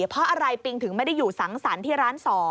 เพราะอะไรปิงถึงไม่ได้อยู่สังสรรค์ที่ร้าน๒